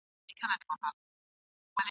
انسان جوړ سو نور تر هر مخلوق وو ښکلی ..